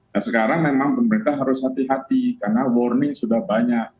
nah sekarang memang pemerintah harus hati hati karena warning sudah banyak